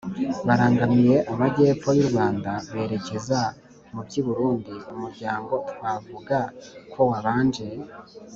barangamiye amajy’epfo y’u rwanda berekeza mu by’i burundi umuryango twavuga ko wabanje